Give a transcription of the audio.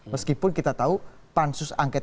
meskipun kita tahu pansus angket